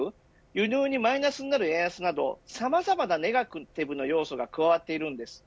輸入にマイナスになる円安などさまざまなネガティブな要素が加わっています。